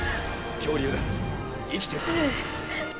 恐竜だ、生きてる。